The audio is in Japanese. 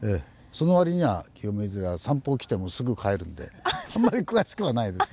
その割には清水寺は散歩来てもすぐ帰るんであんまり詳しくはないですね。